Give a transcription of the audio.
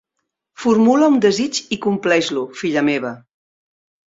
Formula un desig i compleix-lo, filla meva.